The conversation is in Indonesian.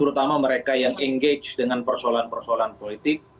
terutama mereka yang engage dengan persoalan persoalan politik